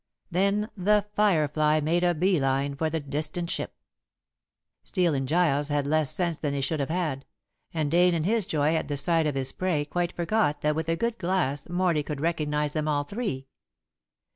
Then The Firefly made a bee line for the distant ship. Steel and Giles had less sense than they should have had; and Dane in his joy at the sight of his prey quite forgot that with a good glass Morley could recognize them all three.